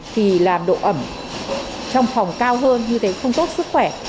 thì làm độ ẩm trong phòng cao hơn như thế không tốt sức khỏe